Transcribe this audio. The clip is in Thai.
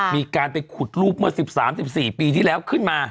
มีการไปขุดรูปเมื่อ๑๓๑๔ปีที่แล้วขึ้นมา